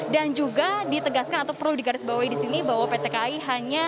dan juga ditegaskan atau perlu digarisbawahi disini bahwa pt kai hanya memberikan voucher untuk tiketnya saja